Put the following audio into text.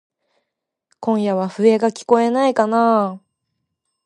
今夜は笛がきこえないかなぁ。